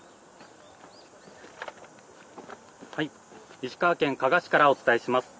石川県加賀市からお伝えします。